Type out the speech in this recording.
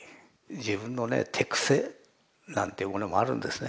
自分のね手癖なんていうものもあるんですね。